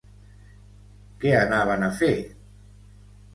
Què anaven a fer?